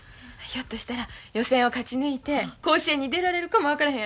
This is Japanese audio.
ひょっとしたら予選を勝ち抜いて甲子園に出られるかも分からへんやろ。